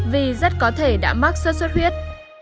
vì rất có thể đã mắc xuất xuất huyết